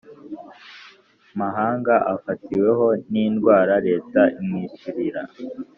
Mahanga afatiweyo n indwara leta imwishyurira